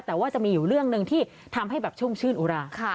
แต่ว่าจะมีอยู่เรื่องหนึ่งที่ทำให้แบบชุ่มชื่นอุรา